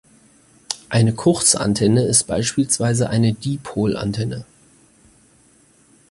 Eine kurze Antenne ist beispielsweise eine Dipolantenne.